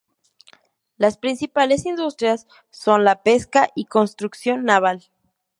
Las principales industrias son la pesca y construcción naval.